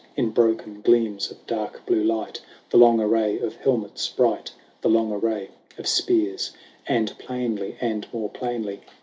In broken gleams of dark blue light, The long array of helmets bright. The long array of spears. XXII. And plainly and more plainly.